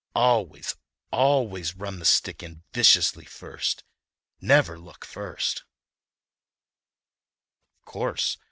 Always, always run the stick in viciously first—never look first!"